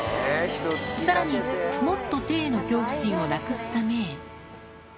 さらに、もっと手への恐怖心をなくすため。